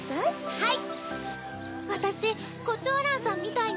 はい。